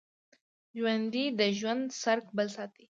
ژوندي د ژوند څرک بل ساتي